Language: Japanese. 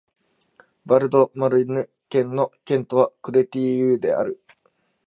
ヴァル＝ド＝マルヌ県の県都はクレテイユである